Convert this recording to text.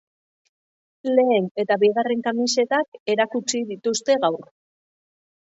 Lehen eta bigarren kamisetak erakutsi dituzte gaur.